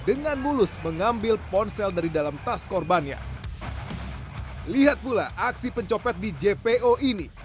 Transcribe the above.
dengan mulus mengambil ponsel dari dalam tas korbannya lihat pula aksi pencopet di jpo ini